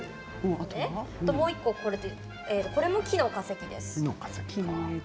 もう１個これも木の化石です。